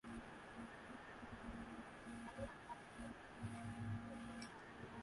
সামরিক জান্তা তান্দজাকে আটক করে রাখে যখন তারা রাজনৈতিক পরিবর্তনের আয়োজন করে।